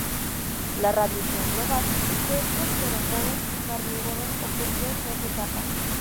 La radiación global de estos terópodos carnívoros ocurrió en dos etapas.